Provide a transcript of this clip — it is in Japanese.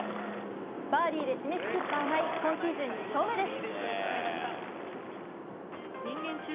バーディーで締めくくった穴井、今シーズン２勝目です。